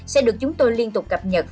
sẽ được chúng tôi liên tục cập nhật